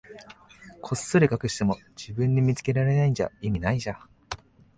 こっそり隠しても、自分で見つけられないんじゃ意味ないじゃん。